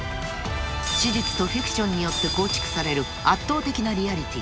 ［史実とフィクションによって構築される圧倒的なリアリティー］